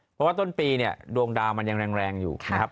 เพราะว่าต้นปีเนี่ยดวงดาวมันยังแรงอยู่นะครับ